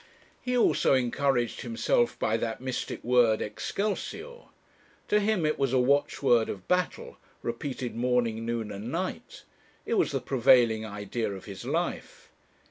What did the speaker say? He also encouraged himself by that mystic word, 'Excelsior!' To him it was a watchword of battle, repeated morning, noon, and night. It was the prevailing idea of his life.